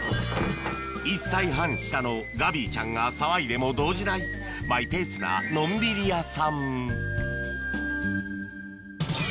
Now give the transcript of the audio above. ・１歳半下のが騒いでも動じないマイペースなのんびり屋さん